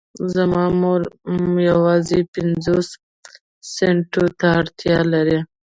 زما مور يوازې پنځوسو سنټو ته اړتيا لري.